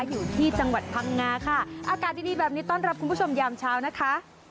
อยู่ที่จังหวัดพังงาค่ะอากาศดีดีแบบนี้ต้อนรับคุณผู้ชมยามเช้านะคะ